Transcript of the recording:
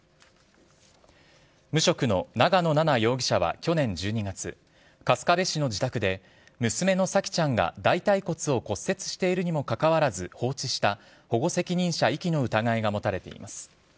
無職の長野奈々容疑者は去年１２月、春日部市の自宅で、娘の沙季ちゃんが大たい骨を骨折しているにもかかわらず、放置した、保護責任者遺棄の疑いが持たれています。